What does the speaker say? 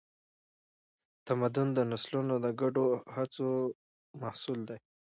تمدن د نسلونو د ګډو هڅو محصول دی.